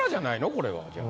これはじゃあ。